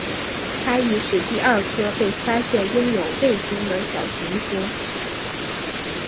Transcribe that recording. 它亦是第二颗被发现拥有卫星的小行星。